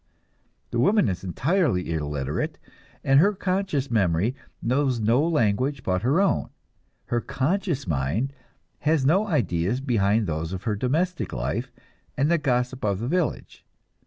The woman is entirely illiterate, and her conscious memory knows no language but her own, her conscious mind has no ideas beyond those of her domestic life and the gossip of the village.